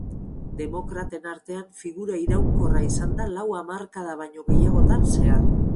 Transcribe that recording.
Demokraten artean figura iraunkorra izan da lau hamarkada baino gehiagotan zehar.